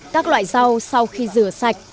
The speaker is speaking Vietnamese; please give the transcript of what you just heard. các loại rau sau khi rửa sạch